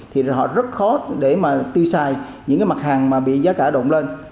thì họ rất khó tiêu xài những mặt hàng bị giá cả động lên